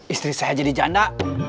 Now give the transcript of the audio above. istri saya jadi janda